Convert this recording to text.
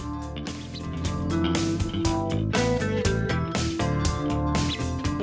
bagaimana cara menghadapi maraknya penggunaan gadget